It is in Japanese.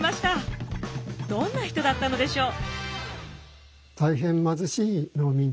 どんな人だったのでしょう？